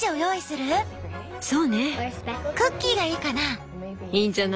クッキーがいいかな。